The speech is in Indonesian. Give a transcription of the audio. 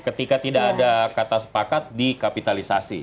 ketika tidak ada kata sepakat dikapitalisasi